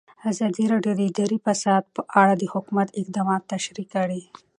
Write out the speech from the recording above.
ازادي راډیو د اداري فساد په اړه د حکومت اقدامات تشریح کړي.